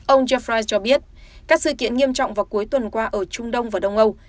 ông jaffri cho biết các sự kiện nghiêm trọng vào cuối tuần qua ở trung đông và đông âu